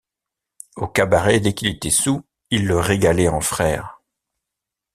Au cabaret, dès qu’il était soûl, il le régalait en frère.